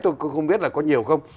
tôi không biết là có nhiều không